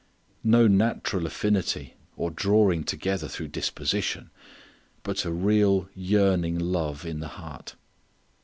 No natural affinity or drawing together through disposition, but a real yearning love in the heart.